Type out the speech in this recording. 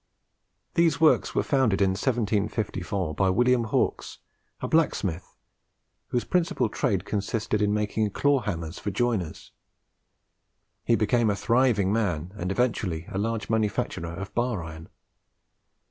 These works were founded in 1754 by William Hawks, a blacksmith, whose principal trade consisted in making claw hammers for joiners. He became a thriving man, and eventually a large manufacturer of bar iron.